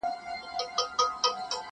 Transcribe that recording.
له سپرلي او له ګلاب او له بارانه ښایسته یې,